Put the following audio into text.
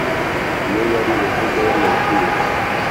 (iyo yari imvugo yo mu bwiru).